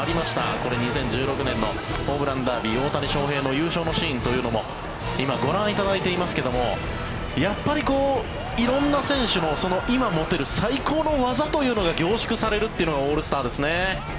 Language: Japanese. これは２０１６年のホームランダービー大谷翔平の優勝のシーンというのも今、ご覧いただいていますがやっぱり色んな選手の今、持ってる最高の技というのが凝縮されるというのがオールスターですね。